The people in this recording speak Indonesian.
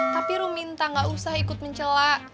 tapi lu minta gak usah ikut mencelak